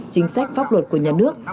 chính sách pháp luật của nhà nước